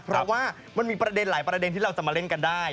เพราะว่ามันมีประเด็นหลายประเด็นที่เราจะมาเล่นกันได้